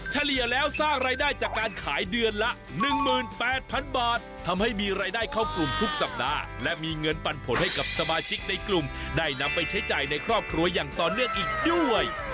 เฉลี่ยแล้วสร้างรายได้จากการขายเดือนละ๑๘๐๐๐บาททำให้มีรายได้เข้ากลุ่มทุกสัปดาห์และมีเงินปันผลให้กับสมาชิกในกลุ่มได้นำไปใช้จ่ายในครอบครัวอย่างต่อเนื่องอีกด้วย